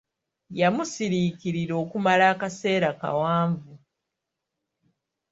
Yamusiriikirira okumala akaseera kawanvu.